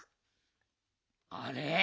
あれ？